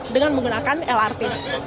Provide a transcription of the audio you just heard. dengan menggunakan lrt